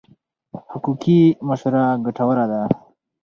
حقوقي مشوره ګټوره ده.